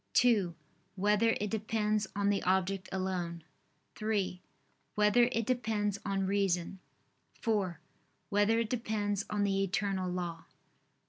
(2) Whether it depends on the object alone? (3) Whether it depends on reason? (4) Whether it depends on the eternal law?